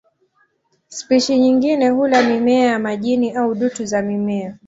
Spishi nyingine hula mimea ya majini au dutu za mimea.